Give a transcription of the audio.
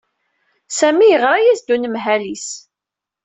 Sami yeɣra-as-d unemhal-is.